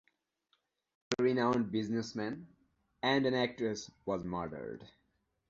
একজন নামকরা ব্যবসায়ী ও এক অভিনেত্রী খুন হন।